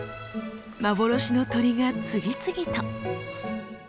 幻の鳥が次々と。